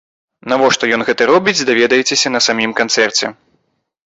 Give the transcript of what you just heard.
Навошта ён гэта робіць, даведаецеся на самім канцэрце!